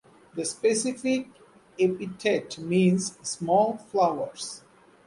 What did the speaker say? The specific epithet means "small flowers".